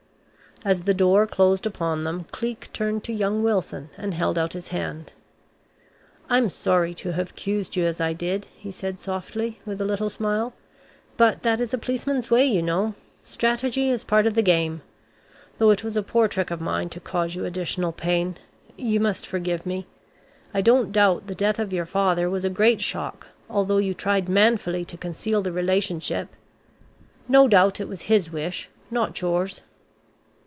As the door closed upon them, Cleek turned to young Wilson and held out his hand. "I'm sorry to have accused you as I did," he said softly, with a little smile, "but that is a policeman's way, you know. Strategy is part of the game though it was a poor trick of mine to cause you additional pain. You must forgive me. I don't doubt the death of your father was a great shock, although you tried manfully to conceal the relationship. No doubt it was his wish not yours."